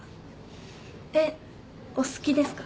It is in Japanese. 絵お好きですか？